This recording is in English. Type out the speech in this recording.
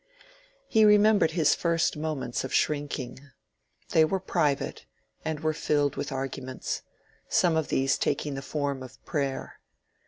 He remembered his first moments of shrinking. They were private, and were filled with arguments; some of these taking the form of prayer.